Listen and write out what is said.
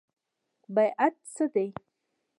بیعت څه دی؟